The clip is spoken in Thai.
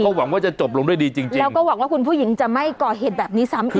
หวังว่าจะจบลงด้วยดีจริงแล้วก็หวังว่าคุณผู้หญิงจะไม่ก่อเหตุแบบนี้ซ้ำอีก